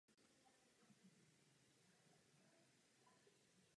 Příčina této kombinace není známa.